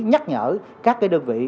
nhắc nhở các cái đơn vị